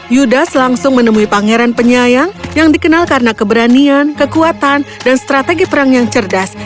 yudas langsung menemui pangeran penyayang yang dikenal karena keberanian kekuatan dan strategi perang yang cerdas